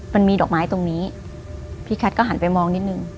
มันมีดอกไม้ตรงนี้พี่แคทก็หันไปมองนิดนึง